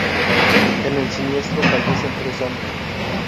En el siniestro, fallecieron tres hombres.